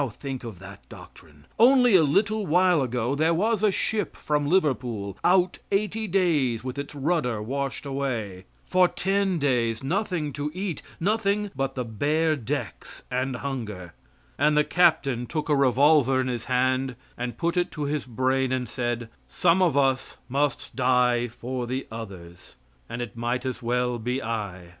Now think of that doctrine! Only a little while ago there was a ship from Liverpool out eighty days with its rudder washed away; for ten days nothing to eat nothing but the bare decks and hunger; and the captain took a revolver in his hand and put it to his brain and said: "Some of us must die for the others. And it might as well be I."